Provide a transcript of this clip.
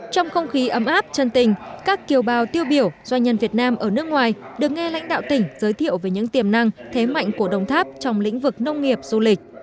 trong không khí ấm áp chân tình các kiều bào tiêu biểu doanh nhân việt nam ở nước ngoài được nghe lãnh đạo tỉnh giới thiệu về những tiềm năng thế mạnh của đồng tháp trong lĩnh vực nông nghiệp du lịch